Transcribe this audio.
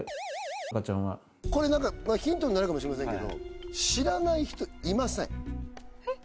○の赤ちゃんはこれ何かヒントになるかもしれませんけど知らない人いません